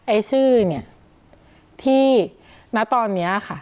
ไอ้ชื่อเนี่ยที่ณตอนนี้ค่ะ